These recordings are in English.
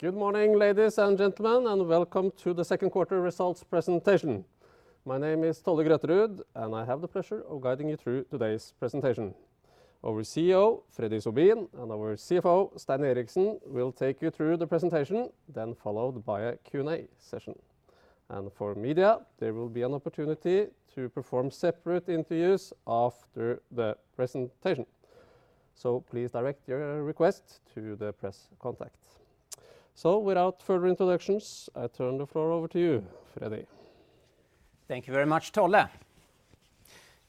Good morning, ladies and gentlemen, and welcome to the second quarter results presentation. My name is Tolle Grøterud, and I have the pleasure of guiding you through today's presentation. Our CEO, Freddy Sobin, and our CFO, Stein Eriksen, will take you through the presentation, then followed by a Q&A session. For media, there will be an opportunity to perform separate interviews after the presentation. Please direct your request to the press contact. Without further introductions, I turn the floor over to you, Freddy. Thank you very much, Tolle.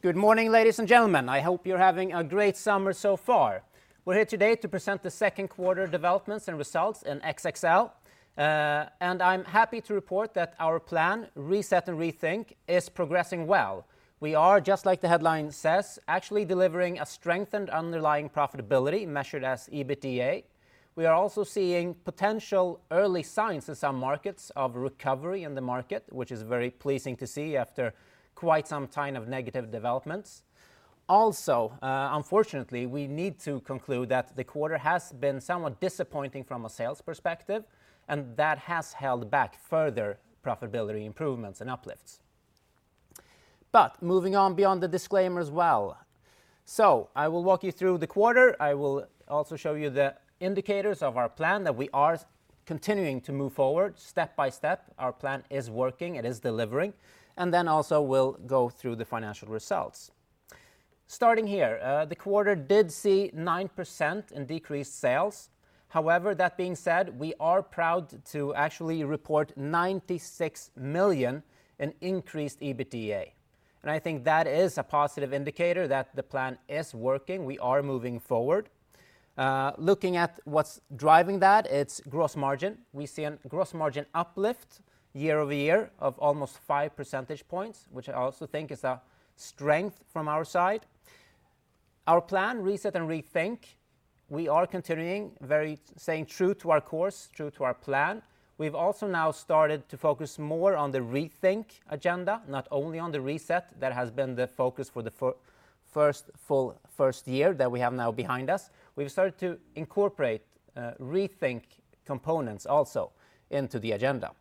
Good morning, ladies and gentlemen, I hope you're having a great summer so far. We're here today to present the second quarter developments and results in XXL. And I'm happy to report that our plan, Reset and Rethink, is progressing well. We are, just like the headline says, actually delivering a strengthened underlying profitability, measured as EBITDA. We are also seeing potential early signs in some markets of recovery in the market, which is very pleasing to see after quite some time of negative developments. Also, unfortunately, we need to conclude that the quarter has been somewhat disappointing from a sales perspective, and that has held back further profitability improvements and uplifts. But moving on beyond the disclaimer as well. So I will walk you through the quarter. I will also show you the indicators of our plan, that we are continuing to move forward step by step. Our plan is working, it is delivering, and then also we'll go through the financial results. Starting here, the quarter did see 9% in decreased sales. However, that being said, we are proud to actually report 96 million in increased EBITDA. And I think that is a positive indicator that the plan is working, we are moving forward. Looking at what's driving that, it's gross margin. We see a gross margin uplift year-over-year of almost 5 percentage points, which I also think is a strength from our side. Our plan, Reset and Rethink, we are continuing, very staying true to our course, true to our plan. We've also now started to focus more on the Rethink agenda, not only on the Reset. That has been the focus for the first full year that we have now behind us. We've started to incorporate Rethink components also into the agenda.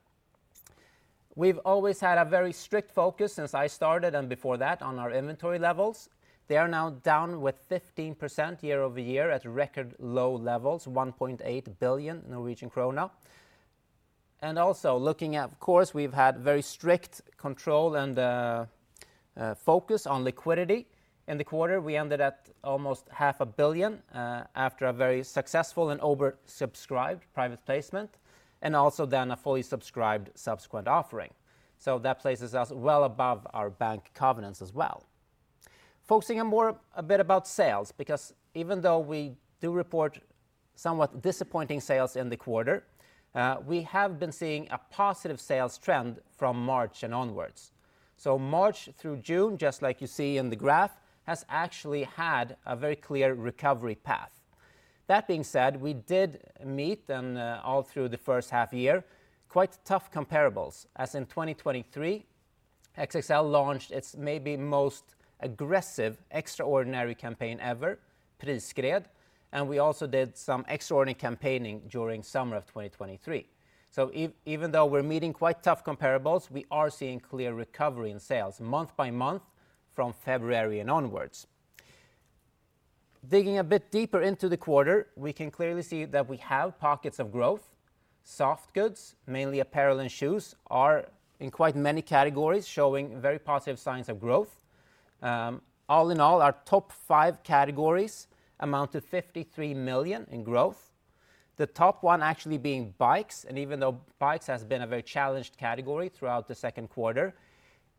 We've always had a very strict focus since I started, and before that, on our inventory levels. They are now down 15% year-over-year at record low levels, 1.8 billion Norwegian krone. And also looking at, of course, we've had very strict control and focus on liquidity. In the quarter, we ended at almost 0.5 billion after a very successful and oversubscribed private placement, and also then a fully subscribed subsequent offering. So that places us well above our bank covenants as well. Focusing on more a bit about sales, because even though we do report somewhat disappointing sales in the quarter, we have been seeing a positive sales trend from March and onwards. So March through June, just like you see in the graph, has actually had a very clear recovery path. That being said, we did meet then all through the first half year, quite tough comparables, as in 2023, XXL launched its maybe most aggressive, extraordinary campaign ever, Prisskred. And we also did some extraordinary campaigning during summer of 2023. So even though we're meeting quite tough comparables, we are seeing clear recovery in sales month by month from February and onwards. Digging a bit deeper into the quarter, we can clearly see that we have pockets of growth. Soft goods, mainly apparel and shoes, are in quite many categories, showing very positive signs of growth. All in all, our top five categories amount to 53 million in growth. The top one actually being bikes, and even though bikes has been a very challenged category throughout the second quarter,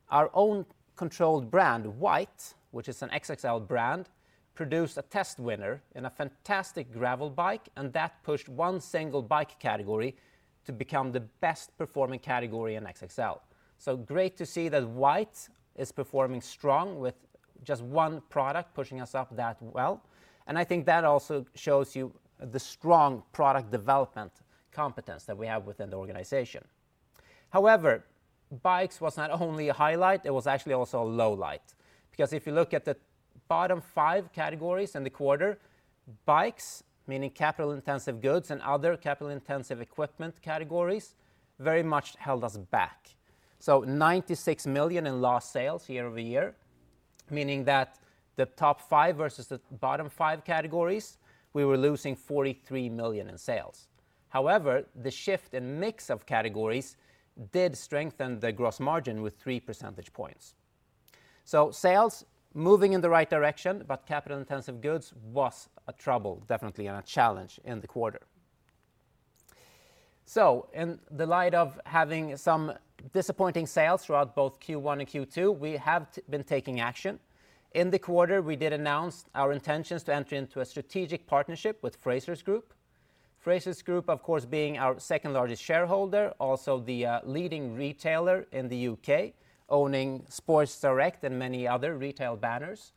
our own controlled brand, White, which is an XXL brand, produced a test winner in a fantastic gravel bike, and that pushed one single bike category to become the best performing category in XXL. So great to see that White is performing strong with just one product pushing us up that well. And I think that also shows you the strong product development competence that we have within the organization. However, bikes was not only a highlight, it was actually also a low light. Because if you look at the bottom five categories in the quarter, bikes, meaning capital-intensive goods and other capital-intensive equipment categories, very much held us back. So 96 million in lost sales year-over-year, meaning that the top five versus the bottom five categories, we were losing 43 million in sales. However, the shift in mix of categories did strengthen the gross margin with 3 percentage points. So sales, moving in the right direction, but capital-intensive goods was a trouble, definitely and a challenge in the quarter. So in the light of having some disappointing sales throughout both Q1 and Q2, we have been taking action. In the quarter, we did announce our intentions to enter into a strategic partnership with Frasers Group. Frasers Group, of course, being our second largest shareholder, also the leading retailer in the U.K., owning Sports Direct and many other retail banners.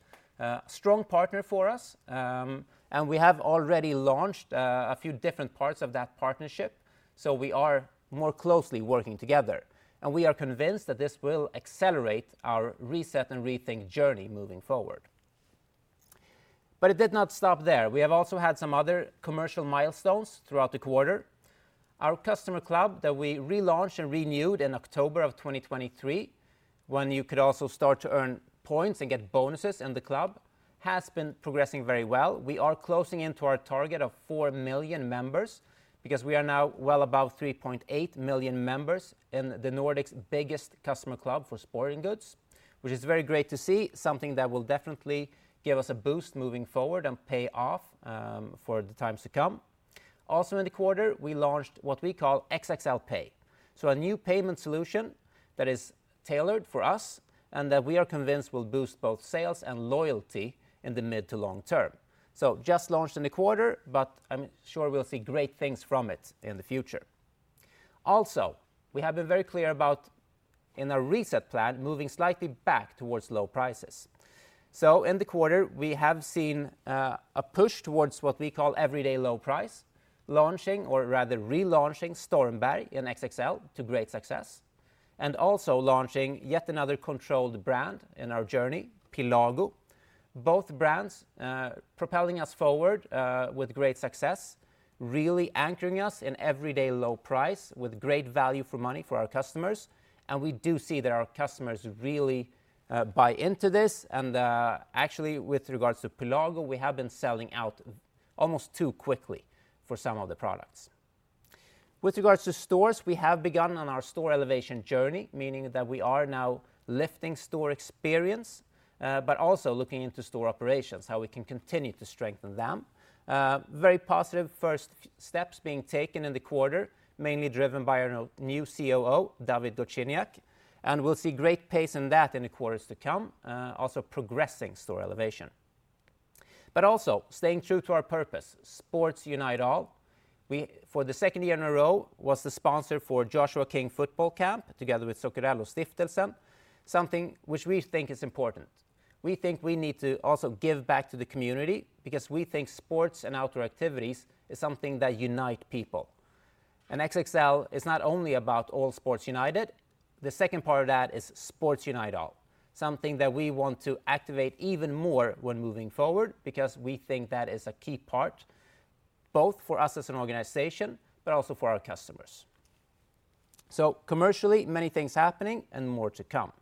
Strong partner for us, and we have already launched a few different parts of that partnership, so we are more closely working together. And we are convinced that this will accelerate our Reset and Rethink journey moving forward. But it did not stop there. We have also had some other commercial milestones throughout the quarter. Our customer club that we relaunched and renewed in October of 2023, when you could also start to earn points and get bonuses in the club, has been progressing very well. We are closing into our target of 4 million members, because we are now well above 3.8 million members in the Nordics' biggest customer club for sporting goods, which is very great to see, something that will definitely give us a boost moving forward and pay off for the times to come. Also in the quarter, we launched what we call XXL Pay. A new payment solution that is tailored for us and that we are convinced will boost both sales and loyalty in the mid to long term. Just launched in the quarter, but I'm sure we'll see great things from it in the future. Also, we have been very clear about, in our reset plan, moving slightly back towards low prices. In the quarter, we have seen a push towards what we call everyday low price, launching, or rather relaunching, Stormberg in XXL to great success, and also launching yet another controlled brand in our journey, Pilago. Both brands propelling us forward with great success, really anchoring us in everyday low price with great value for money for our customers, and we do see that our customers really buy into this. Actually, with regards to Pilago, we have been selling out almost too quickly for some of the products. With regards to stores, we have begun on our store elevation journey, meaning that we are now lifting store experience, but also looking into store operations, how we can continue to strengthen them. Very positive first steps being taken in the quarter, mainly driven by our new COO, Dawid Gosciniak, and we'll see great pace in that in the quarters to come, also progressing store elevation. But also staying true to our purpose, Sports Unite All. We, for the second year in a row, was the sponsor for Joshua King Football Camp, together with Zuccarellostiftelsen, something which we think is important. We think we need to also give back to the community because we think sports and outdoor activities is something that unite people. XXL is not only about All Sports United, the second part of that is Sports Unite All. Something that we want to activate even more when moving forward, because we think that is a key part, both for us as an organization, but also for our customers. So commercially, many things happening and more to come.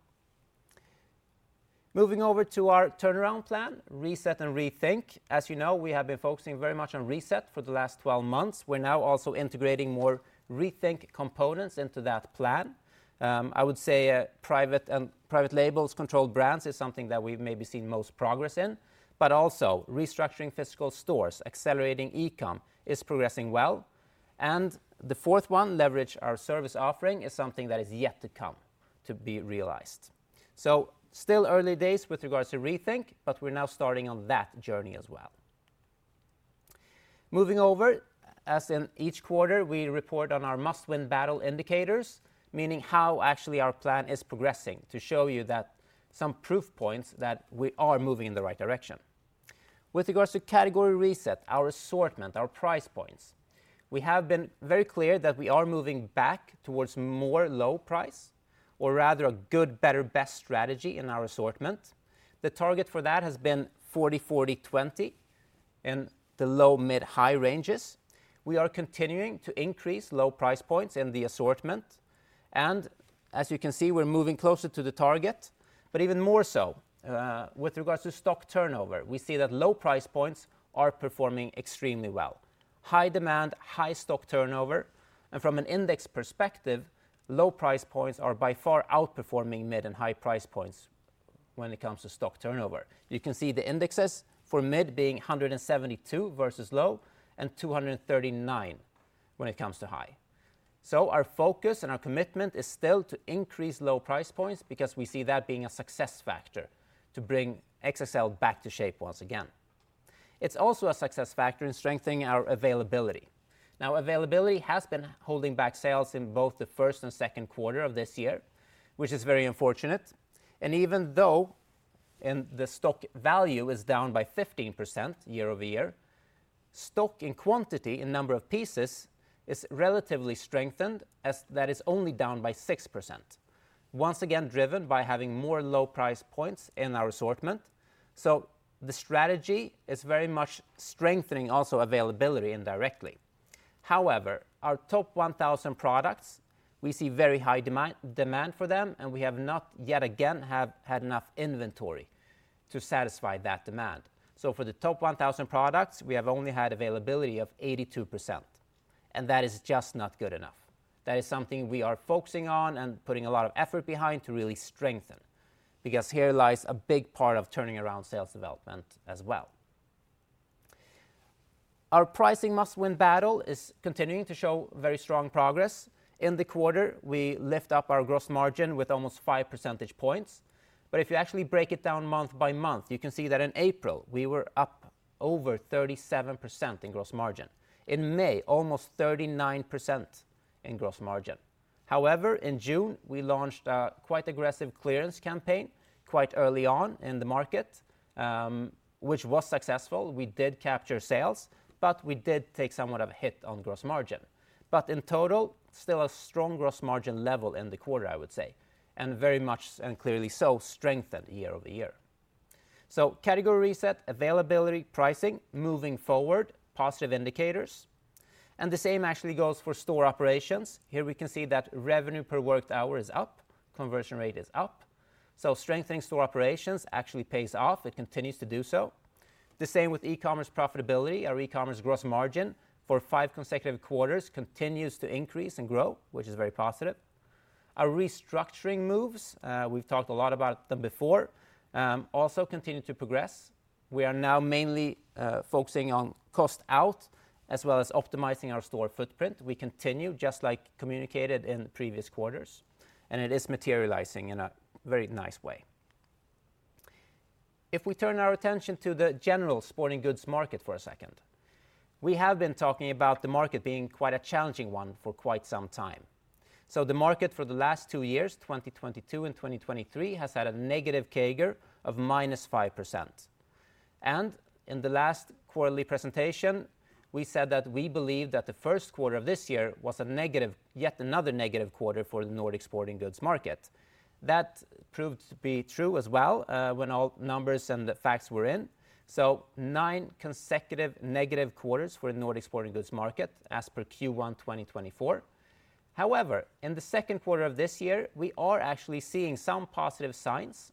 Moving over to our turnaround plan, reset and rethink. As you know, we have been focusing very much on reset for the last 12 months. We're now also integrating more rethink components into that plan. I would say, private labels, controlled brands, is something that we've maybe seen most progress in, but also restructuring physical stores, accelerating e-com is progressing well. And the fourth one, leverage our service offering, is something that is yet to come to be realized. So still early days with regards to rethink, but we're now starting on that journey as well. Moving over, as in each quarter, we report on our must-win battle indicators, meaning how actually our plan is progressing, to show you that some proof points that we are moving in the right direction. With regards to category reset, our assortment, our price points, we have been very clear that we are moving back towards more low price, or rather a good, better, best strategy in our assortment. The target for that has been 40, 40, 20 in the low, mid, high ranges. We are continuing to increase low price points in the assortment, and as you can see, we're moving closer to the target, but even more so, with regards to stock turnover, we see that low price points are performing extremely well. High demand, high stock turnover, and from an index perspective, low price points are by far outperforming mid and high price points when it comes to stock turnover. You can see the indexes for mid being 172 versus low and 239 when it comes to high. So our focus and our commitment is still to increase low price points because we see that being a success factor to bring XXL back to shape once again. It's also a success factor in strengthening our availability. Now, availability has been holding back sales in both the first and second quarter of this year, which is very unfortunate. Even though the stock value is down by 15% year-over-year, stock in quantity, in number of pieces, is relatively strengthened as that is only down by 6%, once again, driven by having more low price points in our assortment. So the strategy is very much strengthening also availability indirectly. However, our top 1000 products, we see very high demand, demand for them, and we have not yet again, have had enough inventory to satisfy that demand. So for the top 1000 products, we have only had availability of 82%, and that is just not good enough. That is something we are focusing on and putting a lot of effort behind to really strengthen, because here lies a big part of turning around sales development as well. Our pricing must-win battle is continuing to show very strong progress. In the quarter, we lift up our gross margin with almost 5 percentage points. If you actually break it down month by month, you can see that in April, we were up over 37% in gross margin. In May, almost 39% in gross margin. However, in June, we launched a quite aggressive clearance campaign quite early on in the market, which was successful. We did capture sales, but we did take somewhat of a hit on gross margin. In total, still a strong gross margin level in the quarter, I would say, and very much and clearly so strengthened year-over-year. So category reset, availability, pricing, moving forward, positive indicators. The same actually goes for store operations. Here we can see that revenue per worked hour is up, conversion rate is up. Strengthening store operations actually pays off. It continues to do so. The same with e-commerce profitability. Our e-commerce gross margin for five consecutive quarters continues to increase and grow, which is very positive. Our restructuring moves, we've talked a lot about them before, also continue to progress. We are now mainly, focusing on cost out, as well as optimizing our store footprint. We continue, just like communicated in previous quarters, and it is materializing in a very nice way. If we turn our attention to the general sporting goods market for a second, we have been talking about the market being quite a challenging one for quite some time. So the market for the last two years, 2022 and 2023, has had a negative CAGR of -5%. In the last quarterly presentation, we said that we believe that the first quarter of this year was a negative, yet another negative quarter for the Nordic sporting goods market. That proved to be true as well, when all numbers and the facts were in. So nine consecutive negative quarters for the Nordic sporting goods market as per Q1 2024. However, in the second quarter of this year, we are actually seeing some positive signs.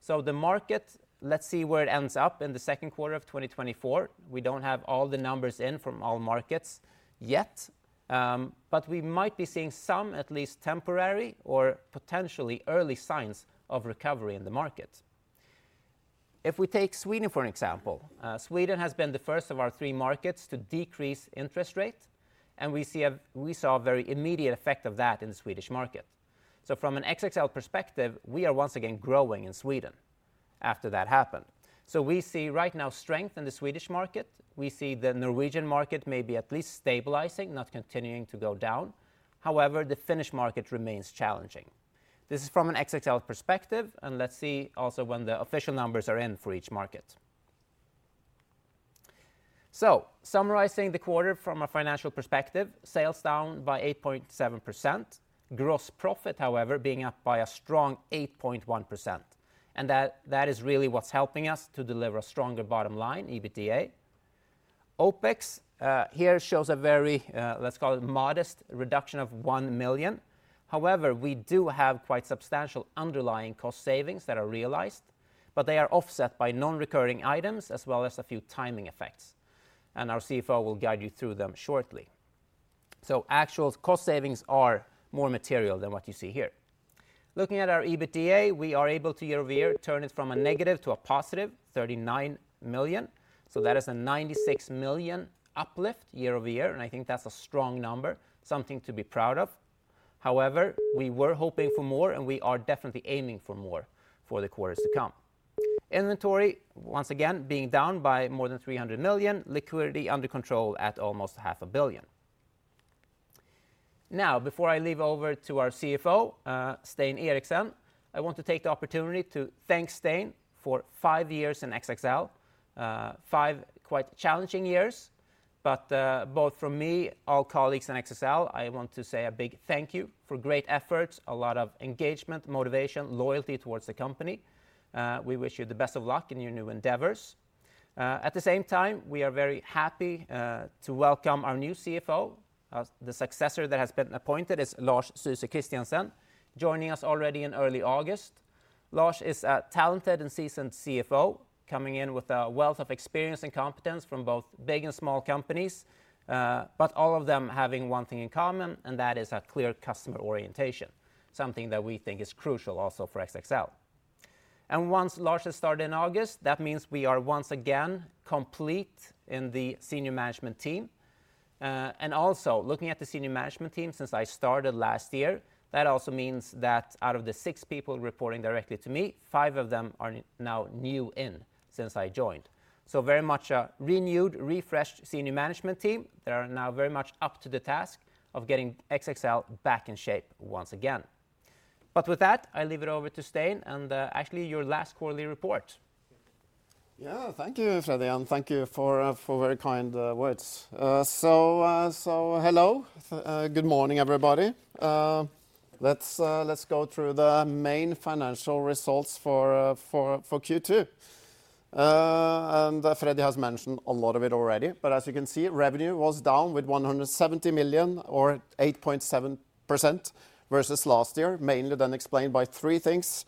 So the market, let's see where it ends up in the second quarter of 2024. We don't have all the numbers in from all markets yet, but we might be seeing some, at least temporary or potentially early signs of recovery in the market. If we take Sweden, for an example, Sweden has been the first of our three markets to decrease interest rate, and we saw a very immediate effect of that in the Swedish market. So from an XXL perspective, we are once again growing in Sweden after that happened. So we see right now strength in the Swedish market. We see the Norwegian market may be at least stabilizing, not continuing to go down. However, the Finnish market remains challenging. This is from an XXL perspective, and let's see also when the official numbers are in for each market. So summarizing the quarter from a financial perspective, sales down by 8.7%. Gross profit, however, being up by a strong 8.1%, and that, that is really what's helping us to deliver a stronger bottom line, EBITDA. OpEx here shows a very, let's call it modest reduction of 1 million. However, we do have quite substantial underlying cost savings that are realized, but they are offset by non-recurring items as well as a few timing effects, and our CFO will guide you through them shortly. So actual cost savings are more material than what you see here. Looking at our EBITDA, we are able to year-over-year turn it from a negative to a positive 39 million. So that is a 96 million uplift year-over-year, and I think that's a strong number, something to be proud of. However, we were hoping for more, and we are definitely aiming for more for the quarters to come. Inventory, once again, being down by more than 300 million, liquidity under control at almost 500 million. Now, before I leave over to our CFO, Stein Eriksen, I want to take the opportunity to thank Stein for five years in XXL, five quite challenging years. But, both from me, all colleagues in XXL, I want to say a big thank you for great efforts, a lot of engagement, motivation, loyalty towards the company. We wish you the best of luck in your new endeavors. At the same time, we are very happy, to welcome our new CFO. The successor that has been appointed is Lars Syse Christiansen, joining us already in early August. Lars is a talented and seasoned CFO, coming in with a wealth of experience and competence from both big and small companies, but all of them having one thing in common, and that is a clear customer orientation, something that we think is crucial also for XXL. And once Lars has started in August, that means we are once again complete in the senior management team. And also looking at the senior management team since I started last year, that also means that out of the six people reporting directly to me, five of them are now new in since I joined. So very much a renewed, refreshed senior management team. They are now very much up to the task of getting XXL back in shape once again. But with that, I leave it over to Stein, and actually, your last quarterly report. Yeah, thank you, Freddy, and thank you for very kind words. So hello, good morning, everybody. Let's go through the main financial results for Q2. And Freddy has mentioned a lot of it already, but as you can see, revenue was down with 170 million or 8.7% versus last year, mainly then explained by three things.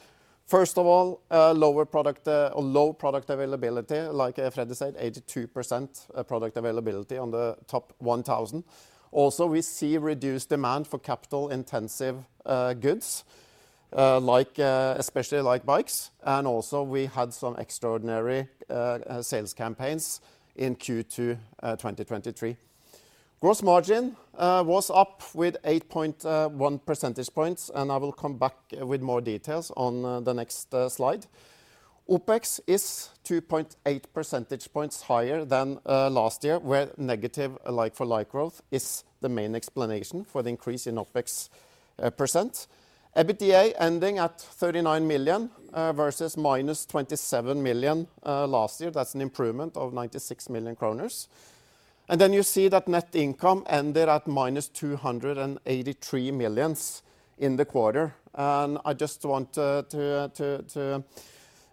First of all, lower product or low product availability, like Freddy said, 82% product availability on the top 1,000. Also, we see reduced demand for capital intensive goods, like especially like bikes. And also we had some extraordinary sales campaigns in Q2 2023. Gross margin was up with 8.1 percentage points, and I will come back with more details on the next slide. OpEx is 2.8 percentage points higher than last year, where negative like-for-like growth is the main explanation for the increase in OpEx percent. EBITDA ending at 39 million versus -27 million last year. That's an improvement of 96 million kroner. Then you see that net income ended at -283 million in the quarter. I just want to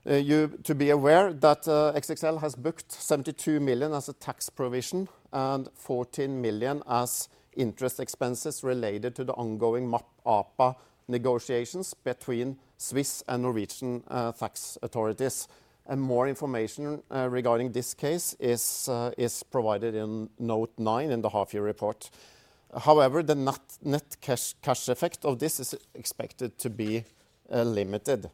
you to be aware that XXL has booked 72 million as a tax provision and 14 million as interest expenses related to the ongoing MAP APA negotiations between Swiss and Norwegian tax authorities. More information regarding this case is provided in note nine in the half-year report. However, the net cash effect of this is expected to be limited.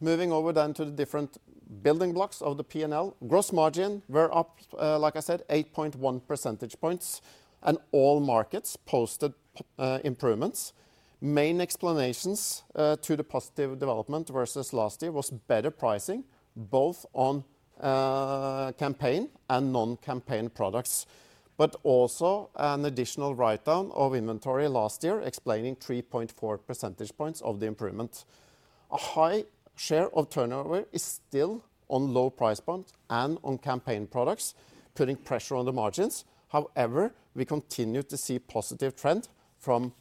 Moving over then to the different building blocks of the P&L. Gross margin were up, like I said, 8.1 percentage points, and all markets posted improvements. Main explanations to the positive development versus last year was better pricing, both on campaign and non-campaign products, but also an additional write-down of inventory last year, explaining 3.4 percentage points of the improvement. A high share of turnover is still on low price points and on campaign products, putting pressure on the margins. However, we continue to see positive trend from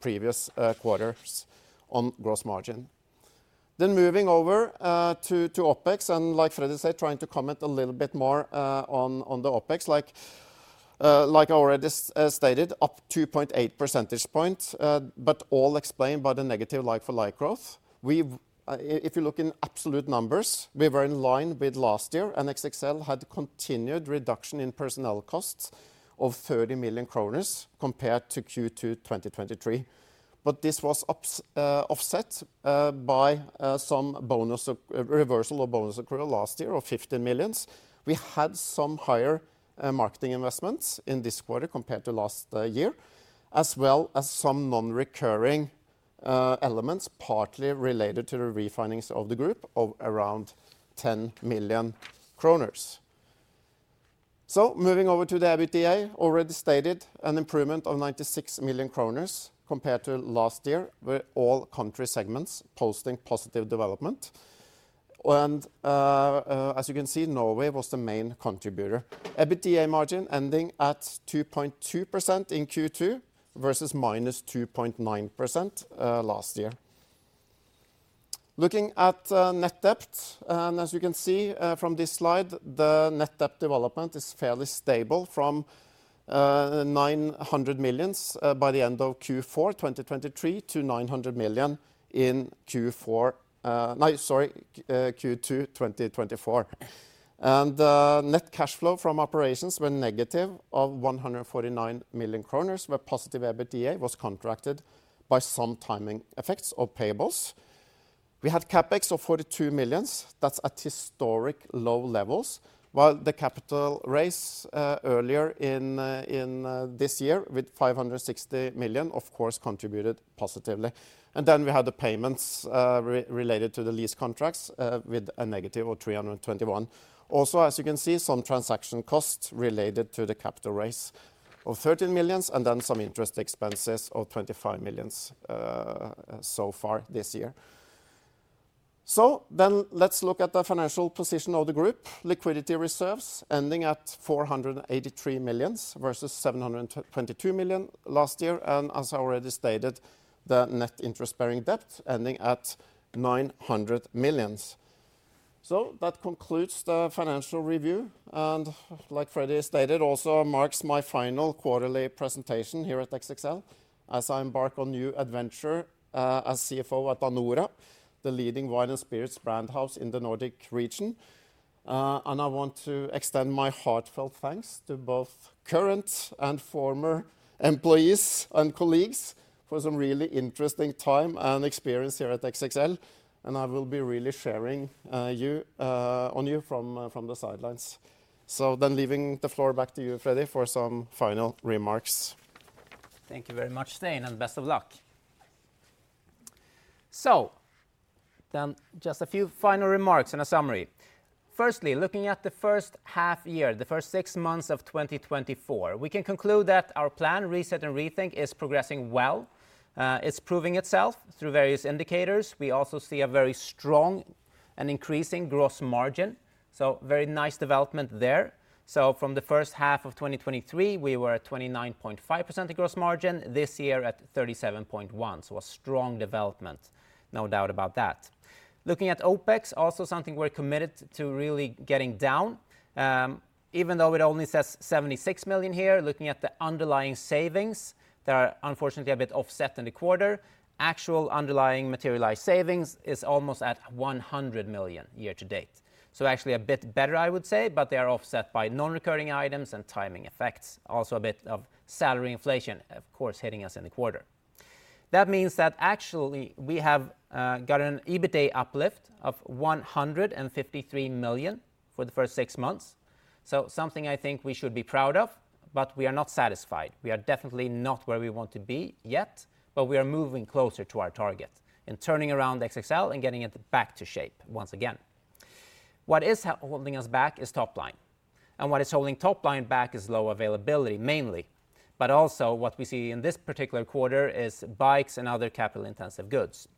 previous quarters on gross margin. Then moving over to OpEx, and like Freddy said, trying to comment a little bit more on the OpEx, like, like I already stated, up 2.8 percentage points, but all explained by the negative like-for-like growth. We've, if you look in absolute numbers, we were in line with last year, and XXL had continued reduction in personnel costs of 30 million kroner compared to Q2 2023. But this was offset by some bonus reversal of bonus accrual last year of 15 million. We had some higher marketing investments in this quarter compared to last year, as well as some non-recurring elements, partly related to the refinancing of the group of around 10 million kroner. So moving over to the EBITDA, already stated an improvement of 96 million kroner compared to last year, with all country segments posting positive development. As you can see, Norway was the main contributor. EBITDA margin ending at 2.2% in Q2 versus -2.9%, last year. Looking at net debt, and as you can see from this slide, the net debt development is fairly stable from 900 million by the end of Q4 2023 to 900 million in Q4, no, sorry, Q2 2024. And net cash flow from operations were negative of 149 million kroner, where positive EBITDA was contracted by some timing effects of payables. We had CapEx of 42 million. That's at historic low levels, while the capital raise earlier in this year with 500 million, of course, contributed positively. And then we had the payments related to the lease contracts with a negative of 321 million. Also, as you can see, some transaction costs related to the capital raise of 13 million, and then some interest expenses of 25 million so far this year. So then let's look at the financial position of the group. Liquidity reserves ending at 483 million versus 722 million last year, and as I already stated, the net interest-bearing debt ending at 900 million. That concludes the financial review, and like Freddy stated, also marks my final quarterly presentation here at XXL, as I embark on new adventure as CFO at Anora, the leading wine and spirits brand house in the Nordic region. I want to extend my heartfelt thanks to both current and former employees and colleagues for some really interesting time and experience here at XXL, and I will be really cheering you on from the sidelines. Then leaving the floor back to you, Freddy, for some final remarks. Thank you very much, Stein, and best of luck. So then just a few final remarks and a summary. Firstly, looking at the first half year, the first six months of 2024, we can conclude that our plan, reset and rethink, is progressing well. It's proving itself through various indicators. We also see a very strong and increasing gross margin, so very nice development there. So from the first half of 2023, we were at 29.5% gross margin, this year at 37.1%, so a strong development, no doubt about that. Looking at OpEx, also something we're committed to really getting down. Even though it only says 76 million here, looking at the underlying savings, they are unfortunately a bit offset in the quarter. Actual underlying materialized savings is almost at 100 million year to date. So actually a bit better, I would say, but they are offset by non-recurring items and timing effects. Also, a bit of salary inflation, of course, hitting us in the quarter. That means that actually we have got an EBITDA uplift of 153 million for the first six months, so something I think we should be proud of, but we are not satisfied. We are definitely not where we want to be yet, but we are moving closer to our target and turning around XXL and getting it back to shape once again. What is holding us back is top line, and what is holding top line back is low availability, mainly, but also what we see in this particular quarter is bikes and other capital-intensive goods.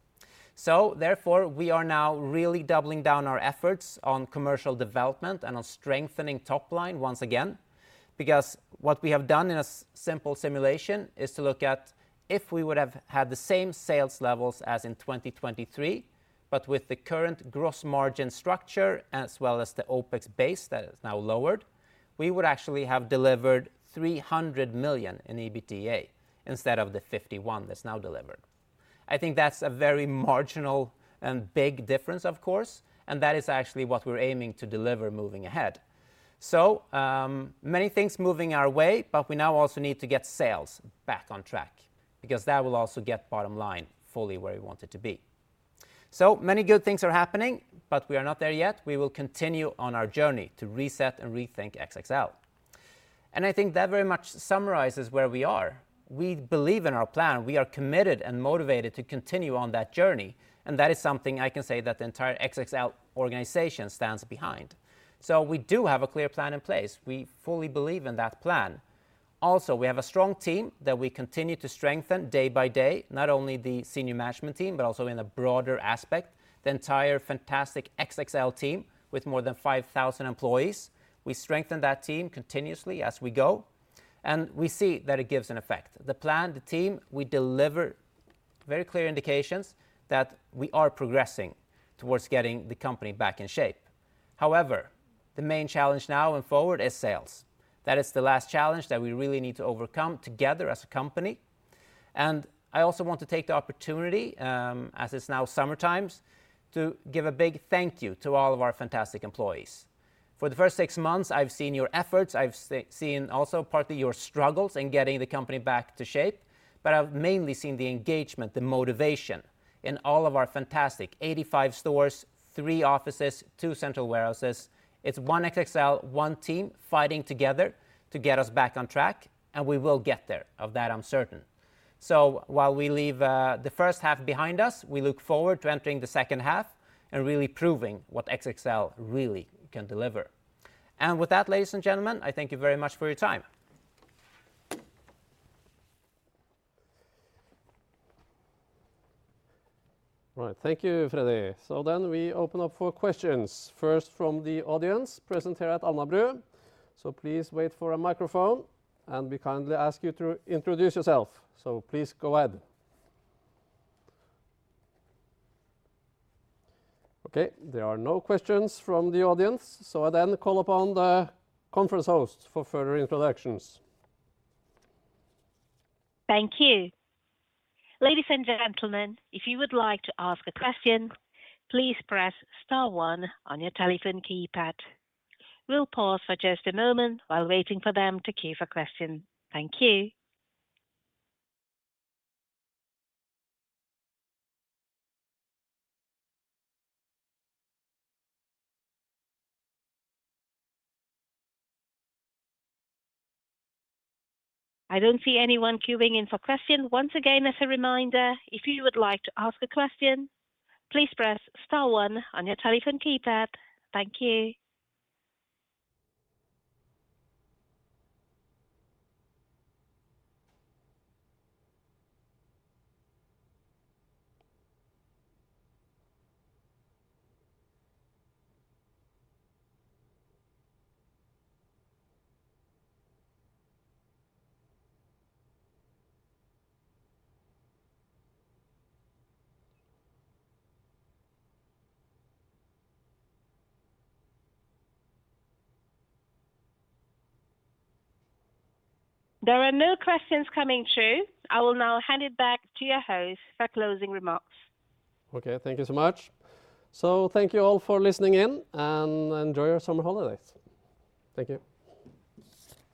So therefore, we are now really doubling down our efforts on commercial development and on strengthening top line once again. Because what we have done in a simple simulation is to look at if we would have had the same sales levels as in 2023, but with the current gross margin structure, as well as the OpEx base that is now lowered, we would actually have delivered 300 million in EBITDA instead of the 51 that's now delivered. I think that's a very marginal and big difference, of course, and that is actually what we're aiming to deliver moving ahead. So, many things moving our way, but we now also need to get sales back on track, because that will also get bottom line fully where we want it to be. So many good things are happening, but we are not there yet. We will continue on our journey to reset and rethink XXL. I think that very much summarizes where we are. We believe in our plan. We are committed and motivated to continue on that journey, and that is something I can say that the entire XXL organization stands behind. We do have a clear plan in place. We fully believe in that plan. Also, we have a strong team that we continue to strengthen day by day, not only the senior management team, but also in a broader aspect, the entire fantastic XXL team with more than 5,000 employees. We strengthen that team continuously as we go, and we see that it gives an effect. The plan, the team, we deliver very clear indications that we are progressing towards getting the company back in shape. However, the main challenge now and forward is sales. That is the last challenge that we really need to overcome together as a company. And I also want to take the opportunity, as it's now summertimes, to give a big thank you to all of our fantastic employees. For the first six months, I've seen your efforts, I've seen also partly your struggles in getting the company back to shape, but I've mainly seen the engagement, the motivation in all of our fantastic 85 stores, three offices, two central warehouses. It's one XXL, one team fighting together to get us back on track, and we will get there. Of that, I'm certain. So while we leave, the first half behind us, we look forward to entering the second half and really proving what XXL really can deliver. And with that, ladies and gentlemen, I thank you very much for your time. Right. Thank you, Freddy. So then we open up for questions, first from the audience present here at Alnabru. So please wait for a microphone, and we kindly ask you to introduce yourself. So please go ahead. Okay, there are no questions from the audience, so I then call upon the conference host for further introductions. Thank you. Ladies and gentlemen, if you would like to ask a question, please press star one on your telephone keypad. We'll pause for just a moment while waiting for them to queue for question. Thank you. I don't see anyone queuing in for question. Once again, as a reminder, if you would like to ask a question, please press star one on your telephone keypad. Thank you. There are no questions coming through. I will now hand it back to your host for closing remarks. Okay, thank you so much. So thank you all for listening in, and enjoy your summer holidays. Thank you.